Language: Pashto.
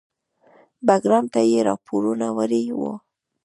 بګرام ته یې راپورونه وړي وو.